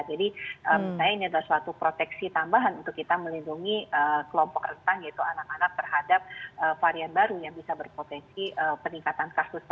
jadi saya ini adalah suatu proteksi tambahan untuk kita melindungi kelompok rentang yaitu anak anak terhadap varian baru yang bisa berpotensi peningkatan kasus